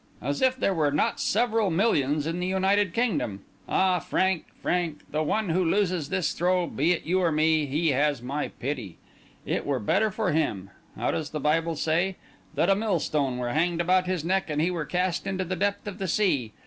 As if there were not several millions in the United Kingdom! Ah, Frank, Frank, the one who loses this throw, be it you or me, he has my pity! It were better for him—how does the Bible say?—that a millstone were hanged about his neck and he were cast into the depth of the sea.